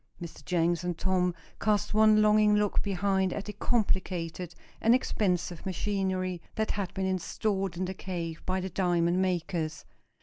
Mr. Jenks and Tom cast one longing look behind at the complicated and expensive machinery that had been installed in the cave by the diamond makers.